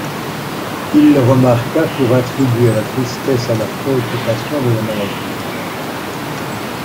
Il le remarqua pour attribuer la tristesse à la préoccupation de la maladie.